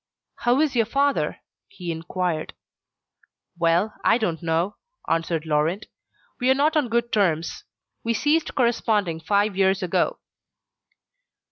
"How is your father?" he inquired. "Well, I don't know," answered Laurent. "We are not on good terms; we ceased corresponding five years ago."